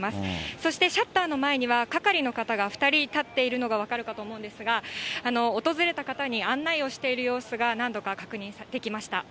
そしてシャッターの前には、係の方が２人立っているのが分かるかと思うんですが、訪れた方に案内をしている様子が何度か確認できました。